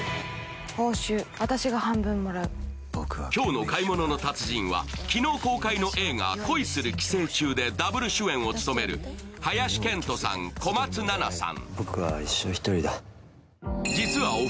今日の「買い物の達人」は昨日公開の映画「恋する寄生虫」でダブル主演を務める林遣都さん、小松菜奈さん。